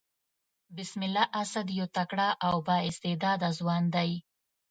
بسم الله اسد يو تکړه او با استعداده ځوان دئ.